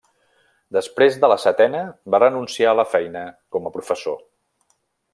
Després de la setena va renunciar a la feina com a professor.